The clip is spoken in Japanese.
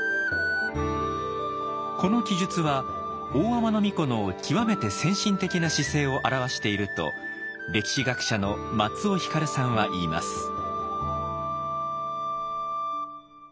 この記述は大海人皇子の極めて先進的な姿勢を表していると歴史学者の松尾光さんは言います。